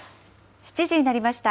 ７時になりました。